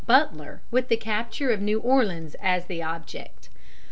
Butler, with the capture of New Orleans as the object.